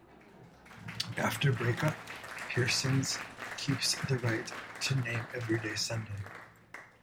After break-up Pearson keeps the right to the name Everyday Sunday.